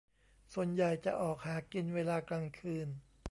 ส่วนใหญ่จะออกหากินเวลากลางคืน